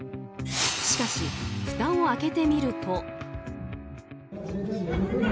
しかし、ふたを開けてみると。